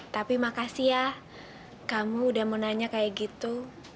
tapi makasih ya kamu udah mau nanya kayak gitu